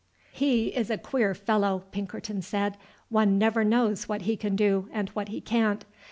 "He is a queer fellow," Pinkerton said, "one never knows what he can do and what he can't.